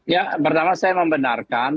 ya pertama saya membenarkan